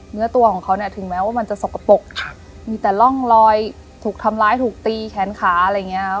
เนื้อตัวของเขาเนี่ยถึงแม้ว่ามันจะสกปรกมีแต่ร่องรอยถูกทำร้ายถูกตีแขนขาอะไรอย่างนี้ครับ